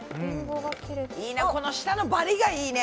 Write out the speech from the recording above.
いいなこの下のバリッがいいね！